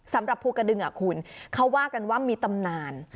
สำหรับภูกระดึงคุณเขาว่ากันว่ามีตำนาน